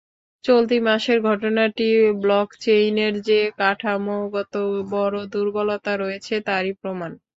চলতি মাসের ঘটনাটি ব্লকচেইনের যে কাঠামোগত বড় দুর্বলতা রয়েছে তারই প্রমাণ।